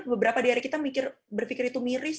beberapa di hari kita berpikir itu miris